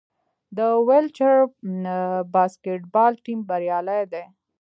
د ویلچیر باسکیټبال ټیم بریالی دی.